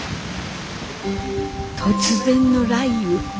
突然の雷雨。